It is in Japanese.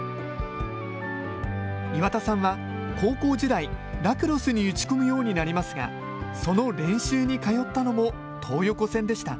岩田さんは高校時代、ラクロスに打ち込むようになりますがその練習に通ったのも東横線でした。